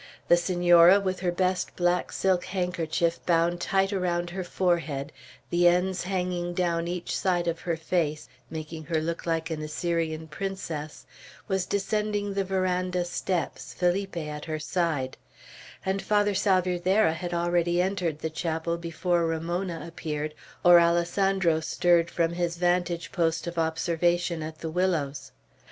The Senora, with her best black silk handkerchief bound tight around her forehead, the ends hanging down each side of her face, making her look like an Assyrian priestess, was descending the veranda steps, Felipe at her side; and Father Salvierderra had already entered the chapel before Ramona appeared, or Alessandro stirred from his vantage post of observation at the willows.